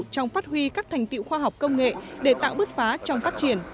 trong phát huy các thành tiệu khoa học công nghệ để tạo bước phá trong phát triển